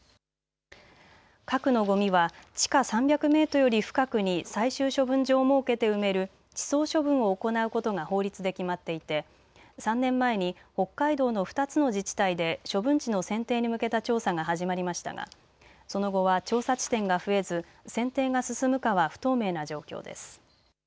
核のごみは地下３００メートルより深くに最終処分場を設けて埋める地層処分を行うことが法律で決まっていて３年前に北海道の２つの自治体で処分地の選定に向けた調査が始まりましたがその後は調査地点が増えず選定が進むかは不透明な状況です。